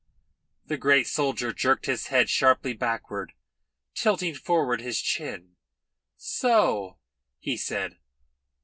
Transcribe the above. The great soldier jerked his head sharply backward, tilting forward his chin. "So!" he said.